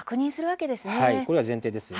これが前提です。